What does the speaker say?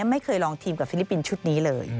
ไม่เคยลองทีมกับฟิลิปปินส์ชุดนี้เลย